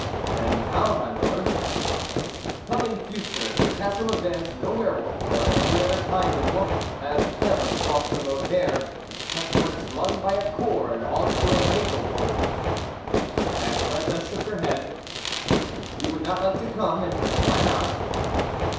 " And how, my Lord ?"" Come in future to the Castle of Vez ; no were wolf, or any other kind of wolf, has ever crossed the moat there, except when slung by a cord on to a hazel pole." Agnelette shook her head. " You would not like to come ? and why not